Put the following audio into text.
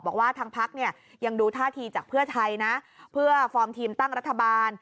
บอกว่าทางพักเนี่ยยังดูท่าทีจากเพื่อไทยนะเพื่อฟอร์มทีมตั้งรัฐบาล